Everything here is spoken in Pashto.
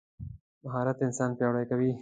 مهارت انسان پیاوړی کوي.